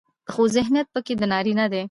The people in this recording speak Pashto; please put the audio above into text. خو ذهنيت پکې د نارينه دى